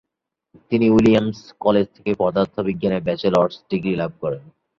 তিনি Williams college থেকে পদার্থবিজ্ঞানে ব্যাচেলর্স ডিগ্রি লাভ করেন।